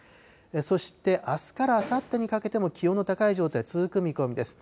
そしてあすからあさってにかけても気温の高い状態続く見込みです。